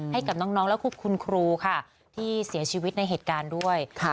ให้กับน้องและคุณครูค่ะที่เสียชีวิตในเหตุการณ์ด้วย